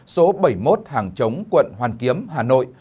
số bảy mươi một hàng chống quận hoàn kiếm hà nội